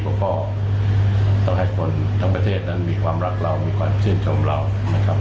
แล้วก็ต้องให้คนทั้งประเทศนั้นมีความรักเรามีความชื่นชมเรานะครับ